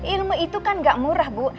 ilmu itu kan gak murah bu